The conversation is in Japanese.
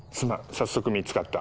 早速見つかった。